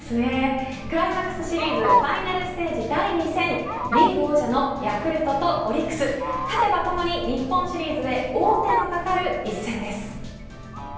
クライマックスシリーズファイナルステージ第２戦リーグ王者のヤクルトとオリックス勝てばともに日本シリーズへ王手のかかる一戦です。